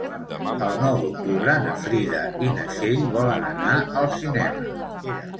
El nou d'octubre na Frida i na Txell volen anar al cinema.